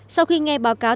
sau khi nghe báo cáo